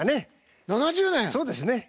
そうですね。